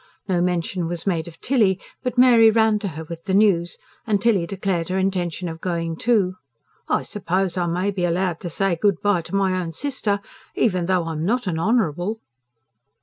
No mention was made of Tilly, but Mary ran to her with the news, and Tilly declared her intention of going, too. "I suppose I may be allowed to say good bye to my own sister, even though I'm not a Honourable?"